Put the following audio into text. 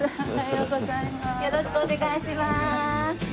よろしくお願いします！